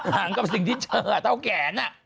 หางกับสิ่งที่เจอเท่าแขน